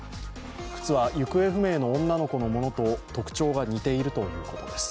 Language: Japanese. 靴は行方不明の女の子のものと特徴が似ているということです。